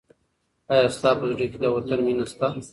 آیا ستا په زړه کې د وطن مینه شته؟